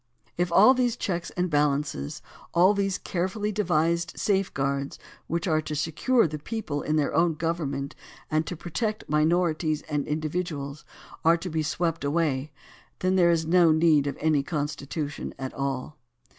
If all these checks and balances, all these carefully devised safe guards which are to secure the people in their own government and to protect minorities and individuals, are to be swept away, then there is no need of any Constitution at all.